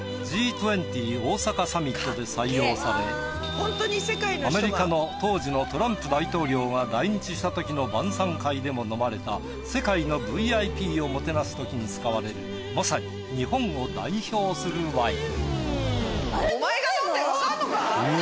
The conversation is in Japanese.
北海道アメリカの当時のトランプ大統領が来日したときの晩餐会でも飲まれた世界のＶＩＰをもてなすときに使われるまさに日本を代表するワイン。